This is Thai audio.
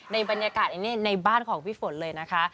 ในบรรยากาศในบ้านของพี่ฝนเลยนะคะ